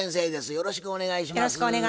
よろしくお願いします。